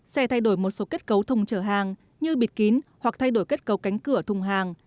xe thay đổi một số kết cấu thùng trở hàng như bịt kín hoặc thay đổi kết cấu cánh cửa thùng hàng